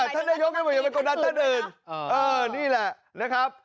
ท่านนายกไม่บอกอย่าไปกดดันท่านอื่นนี่แหละนะครับ